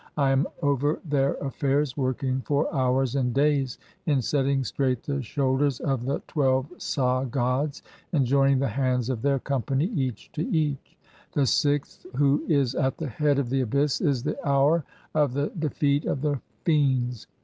[I am] over their affairs working "(22) for hours and days in setting straight the shoulders of the "twelve Sah gods, (23) and joining the hands of their company, "each to each ; the sixth who is at the head of the abyss is the "hour of the defeat of the Fiends.